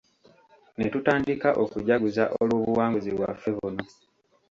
Ne tutandika okujaguza olw'obuwanguzi bwaffe buno.